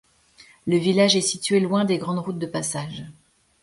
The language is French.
Le village est situé loin des grandes routes de passage.